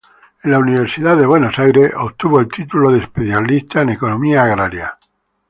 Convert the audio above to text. En la Universidad de Buenos Aires obtuvo el título de Especialista en Economía Agraria.